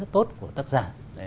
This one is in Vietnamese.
tốt của tác giả